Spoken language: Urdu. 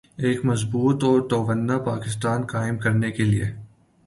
ایک مضبوط و توانا پاکستان قائم کرنے کے لئیے ۔